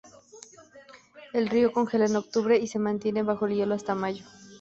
El río congela en octubre y se mantiene bajo el hielo hasta mayo.